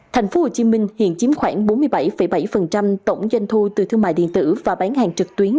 thành phố hồ chí minh hiện chiếm khoảng bốn mươi bảy bảy tổng doanh thu từ thương mại điện tử và bán hàng trực tuyến